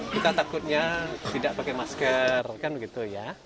kita takutnya tidak pakai masker kan begitu ya